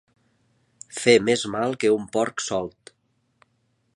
Fer més mal que un porc solt.